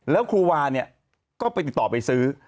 แล้วครูวาเนี่ยก็ไปติดต่อไปซื้อ